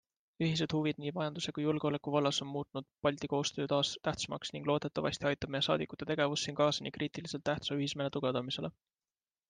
Ühised huvid nii majanduse kui julgeoleku vallas on muutnud Balti koostöö taas tähtsamaks ning loodetavasti aitab meie saadikute tegevus siin kaasa nii kriitiliselt tähtsa ühismeele tugevdamisele.